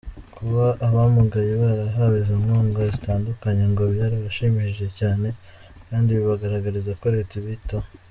Kuba abamugaye barahawe izo nkunga zitandukanye ngo byarabashimishije cyane, kandi bibagaragariza ko Leta ibitaho.